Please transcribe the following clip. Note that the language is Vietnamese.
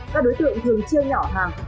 các đối tượng thường chia nhỏ hàng